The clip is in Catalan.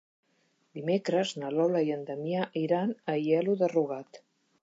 Dimecres na Lola i en Damià iran a Aielo de Rugat.